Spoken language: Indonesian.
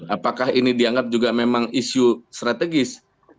apakah ini dianggap juga memang isu strategis